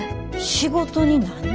仕事になんの？